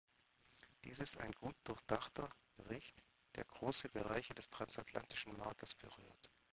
Dies ist ein gut durchdachter Bericht, der große Bereiche des Transatlantischen Marktes berührt.